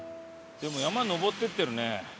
でも山登っていってるね。